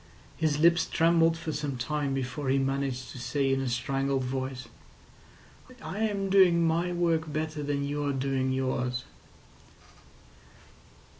His lips trembled for some time before he managed to say in a strangled voice: "I am doing my work better than you're doing yours."